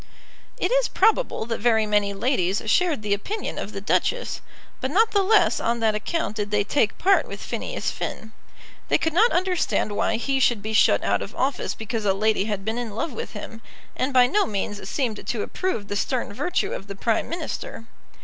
It is probable that very many ladies shared the opinion of the Duchess; but not the less on that account did they take part with Phineas Finn. They could not understand why he should be shut out of office because a lady had been in love with him, and by no means seemed to approve the stern virtue of the Prime Minister.